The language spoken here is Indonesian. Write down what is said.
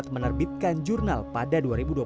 menerbitkan jurnal pada dua ribu dua puluh satu